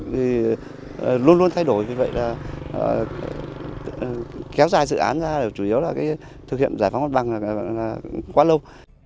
thì luôn luôn thay đổi như vậy là kéo dài dự án ra là chủ yếu là thực hiện giải phóng mặt băng là quá lâu